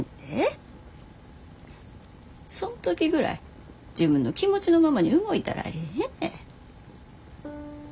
そん時ぐらい自分の気持ちのままに動いたらええねん。